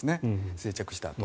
生着したあと。